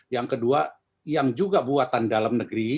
yang kedua yang juga buatan dalam negeri